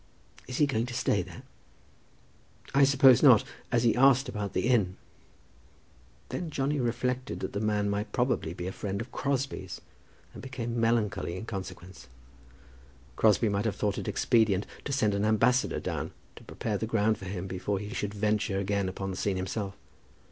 "Is he going to stay there?" "I suppose not, as he asked about the inn." Then Johnny reflected that the man might probably be a friend of Crosbie's, and became melancholy in consequence. Crosbie might have thought it expedient to send an ambassador down to prepare the ground for him before he should venture again upon the scene himself.